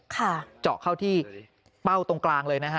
เจาะเข้าที่เป้าตรงกลางเลยนะฮะ